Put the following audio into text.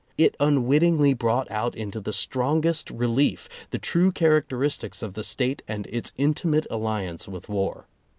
It unwittingly brought out into the strongest relief the true char acteristics of the State and its intimate alliance with war.